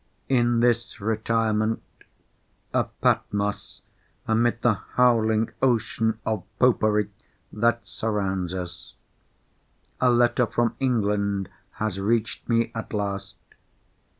In this retirement—a Patmos amid the howling ocean of popery that surrounds us—a letter from England has reached me at last.